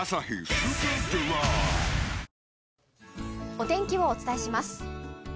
お天気をお伝えします。